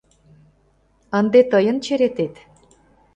— Ынде тыйын черетет.